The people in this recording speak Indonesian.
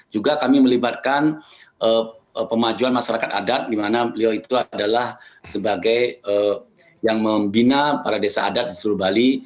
juga kami melibatkan pemajuan masyarakat adat di mana beliau itu adalah sebagai yang membina para desa adat di seluruh bali